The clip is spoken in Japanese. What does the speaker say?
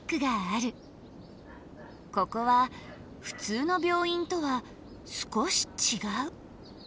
ここはふつうの病院とは少しちがう。